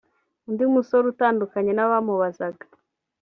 undi musore utandukanye n’abamubazaga